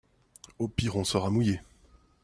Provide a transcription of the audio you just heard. Au pire on sera mouillé.